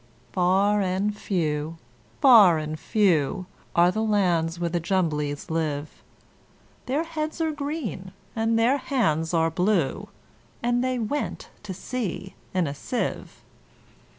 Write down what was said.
Far and few, far and few, Are the lands where the Jumblies live: Their heads are green, and their hands are blue And they went to sea in a sieve.